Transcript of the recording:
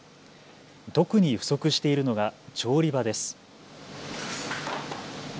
特に不足しているのが調理場です。